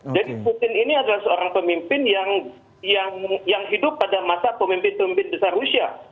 jadi putin ini adalah seorang pemimpin yang hidup pada masa pemimpin pemimpin besar rusia